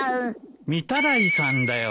御手洗さんだよ。